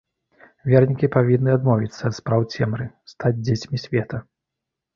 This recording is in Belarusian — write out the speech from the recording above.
Вернікі павінны адмовіцца ад спраў цемры, стаць дзецьмі света.